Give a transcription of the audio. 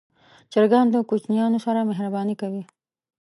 چرګان د کوچنیانو سره مهرباني کوي.